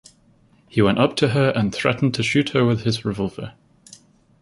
He went up to her and threatened to shoot her with his revolver.